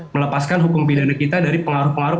melepaskan hukum pidana kita dari pengaruh pengaruh